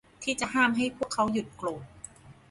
ผมเองก็ไม่มีสิทธิ์ที่จะห้ามให้พวกเขาหยุดโกรธ